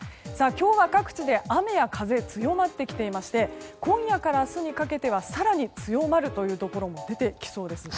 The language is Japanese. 今日は各地で雨や風が強まってきていまして今夜から明日にかけては更に強まるところも出てきそうです。